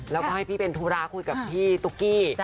แล้วก็ให้พี่เป็นธุระคุยกับพี่ตุ๊กกี้